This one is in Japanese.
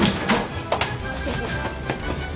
失礼します。